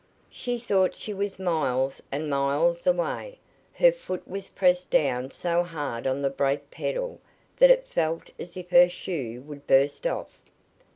She thought she was miles and miles away. Her foot was pressed down so hard on the brake pedal that it felt as if her shoe would burst off.